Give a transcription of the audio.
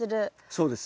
そうです。